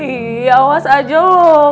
ih awas aja loh